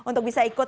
untuk bisa ikut